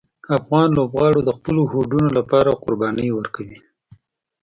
افغان لوبغاړي د خپلو هوډونو لپاره قربانۍ ورکوي.